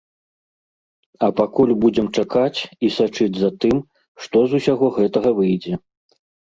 А пакуль будзем чакаць і сачыць за тым, што з усяго гэтага выйдзе.